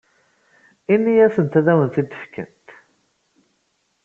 Ini-asent ad awen-tt-id-fkent.